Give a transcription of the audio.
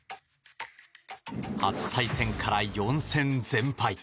初対戦から４戦全敗。